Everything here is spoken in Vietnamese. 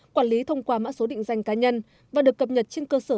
quản lý thông qua mã số định danh cá nhân và được cập nhật trên cơ sở